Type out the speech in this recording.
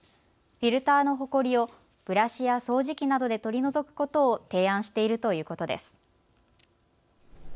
フィルターのほこりをブラシや掃除機などで取り除くことを提案しているということです。